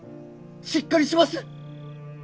しっかりします！